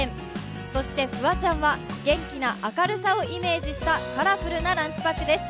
そして、フワちゃんは元気な明るさをイメージしたカラフルなランチパックです。